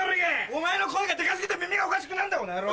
お前の声がデカ過ぎて耳がおかしくなんだこの野郎！